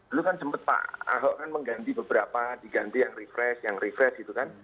dulu kan sempat pak ahok kan mengganti beberapa diganti yang refresh yang refresh gitu kan